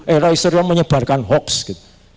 eh roy suryo menyebarkan hoax gitu